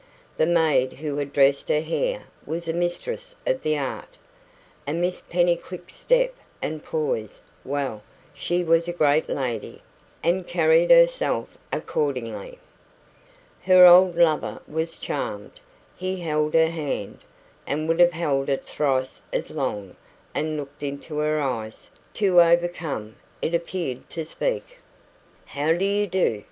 The maid who had dressed her hair was a mistress of the art. And Miss Pennycuick's step and poise well, she WAS a great lady, and carried herself accordingly. Her old lover was charmed. He held her hand and would have held it thrice as long and looked into her eyes, too overcome, it appeared, to speak. "How do you do?"